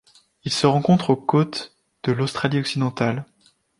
Il se rencontre aux côtes de l'Australie-Occidentale.